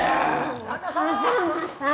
風真さん。